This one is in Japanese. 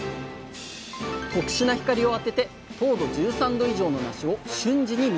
特殊な光を当てて糖度１３度以上のなしを瞬時に見極めます。